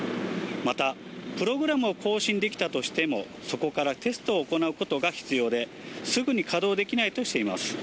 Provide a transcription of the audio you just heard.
また、プログラムを更新できたとしても、そこからテストを行うことが必要で、すぐに稼働できないとしています。